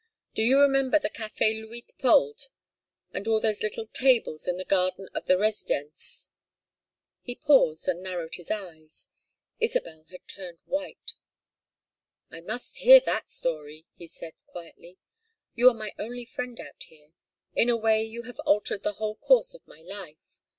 Do you remember the Café Luitpoldt, and all those little tables in the garden of the Residenz " He paused and narrowed his eyes. Isabel had turned white. "I must hear that story," he said, quietly. "You are my only friend out here. In a way you have altered the whole course of my life.